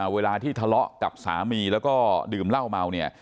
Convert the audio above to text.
เวลาที่ทะเลาะกับสามีแล้วก็ดื่มเหล้าเมาเนี่ย